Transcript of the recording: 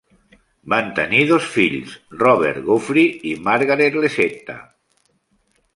Van tenir dos fills, Robert Geoffrey i Margaret Lesetta.